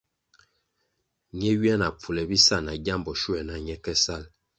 Ne ywia na pfule bisa na gyambo shuē na ñe ke salʼ.